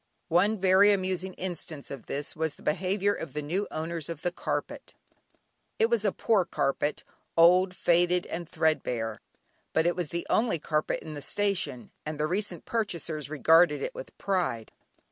One very amusing instance of this was the behaviour of the new owners of the carpet. It was a poor carpet, old, faded, and thread bare, but it was the only carpet in the station and the recent purchasers regarded it with pride.